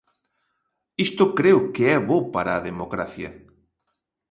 Isto creo que é bo para a democracia.